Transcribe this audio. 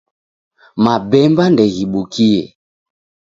Mabemba ndeghibukie.